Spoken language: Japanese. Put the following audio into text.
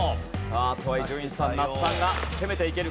あとは伊集院さん那須さんが攻めていけるか。